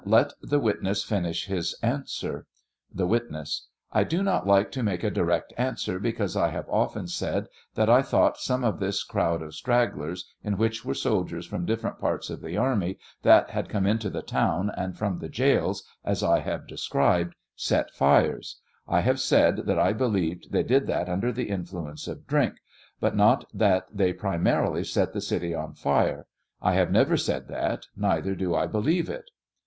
Let the witness finish his answer. The witness. I do not like to make a direct answer, because I have often said that I thought some of this crowd of stragglers, in which were soldiers from differ ent parts of the army that had come into the town and from the jails, as I have described, set fires ; I have said that I believed they did that under the influence of drink ; but not that they primarily set the city on fire ; I have never said that, neither do I believe it.